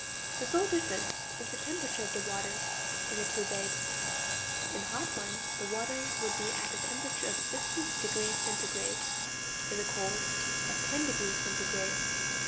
The sole difference is the temperature of the water in the two bags; in the hot one, the water would be at a temperature of sixty degrees centigrade; in the cold, at ten degrees centigrade.